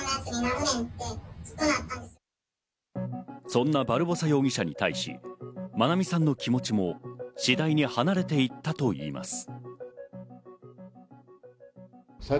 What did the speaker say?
そんなバルボサ容疑者に対し、愛美さんの気持ちも次第に離れていったといいます。